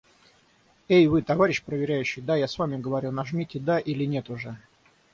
Эй вы, товарищ проверяющий. Да, я с вами говорю, нажмите "Да" или "Нет" уже.